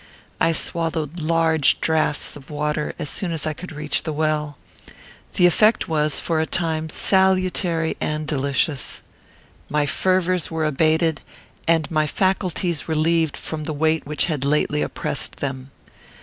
I swallowed large draughts of water as soon as I could reach the well. The effect was, for a time, salutary and delicious. My fervours were abated, and my faculties relieved from the weight which had lately oppressed them.